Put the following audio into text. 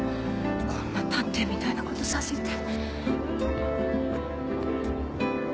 こんな探偵みたいなことさせて。